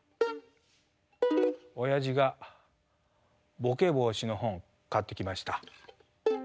おやじがボケ防止の本買ってきました。